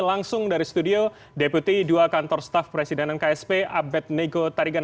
langsung dari studio deputi dua kantor staf presidenan ksp abed nego tarigan